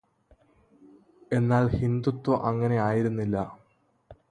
എന്നാല്, ഹിന്ദുത്വ അങ്ങനെ ആയിരുന്നില്ല.